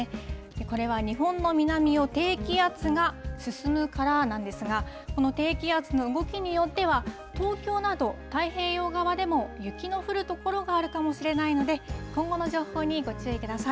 これは日本の南を低気圧が進むからなんですが、この低気圧の動きによっては、東京など、太平洋側でも雪の降る所があるかもしれないので、今後の情報にご注意ください。